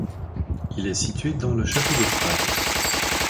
Il est situé dans le château de Prague.